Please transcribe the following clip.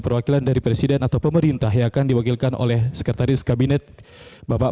perwakilan dari presiden atau pemerintah yang akan diwakilkan oleh sekretaris kabinet bapak